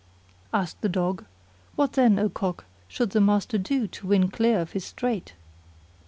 Asked the Dog, "What then, O Cock, should the master do to win clear of his strait?"